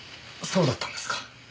そうだったんですか？